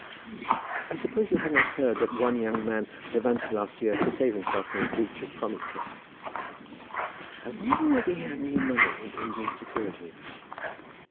"I suppose you have not heard that one young man levanted last year to save himself from a breach of promise case?" "I wonder whether he had any money in Indian securities?"